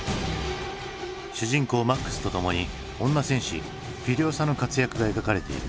主人公マックスとともに女戦士フュリオサの活躍が描かれている。